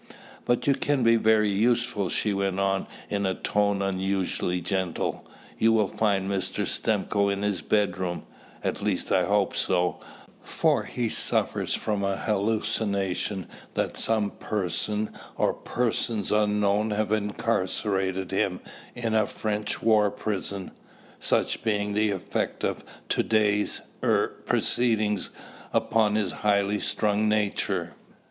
"But you can be very useful," she went on, in a tone unusually gentle. "You will find Mr. Stimcoe in his bedroom at least, I hope so, for he suffers from a hallucination that some person or persons unknown have incarcerated him in a French war prison, such being the effect of to day's er proceedings upon his highly strung nature.